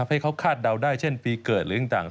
ให้เขาคาดเดาได้เช่นปีเกิดหรือต่าง